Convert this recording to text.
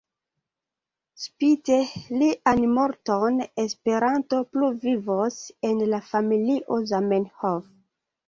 Spite lian morton Esperanto plu vivos en la familio Zamenhof.